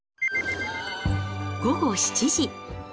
午後７時。